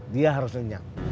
dia harus lenyap